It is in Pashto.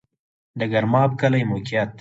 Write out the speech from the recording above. د ګرماب کلی موقعیت